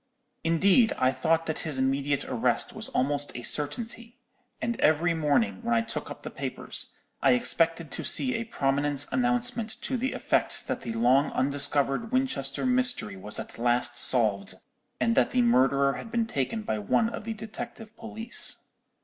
"Indeed, I thought that his immediate arrest was almost a certainty; and every morning, when I took up the papers, I expected to see a prominent announcement to the effect that the long undiscovered Winchester mystery was at last solved, and that the murderer had been taken by one of the detective police.